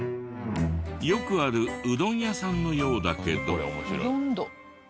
よくあるうどん屋さんのようだけど。